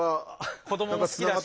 子どもも好きだし。